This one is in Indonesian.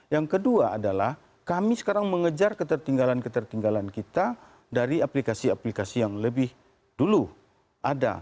yang kedua adalah kami sekarang mengejar ketertinggalan ketertinggalan kita dari aplikasi aplikasi yang lebih dulu ada